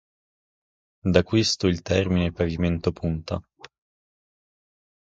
Da questo il termine pavimento-punta.